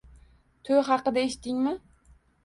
To`y haqida eshitdingmi